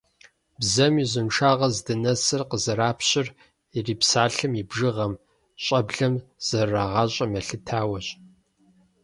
Бзэм и узыншагъэр здынэсыр къызэрапщыр ирипсалъэм и бжыгъэм, щӀэблэм зэрырагъащӀэм елъытауэщ.